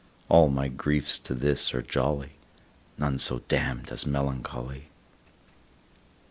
All my griefs to this are jolly, None so damn'd as melancholy.